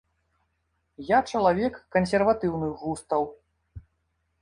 Я чалавек кансерватыўных густаў.